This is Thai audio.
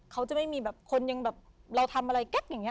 เขาจะไม่มีแบบคนยังแบบเราทำอะไรแก๊กอย่างนี้